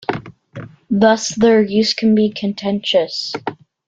Thus their use can be contentious.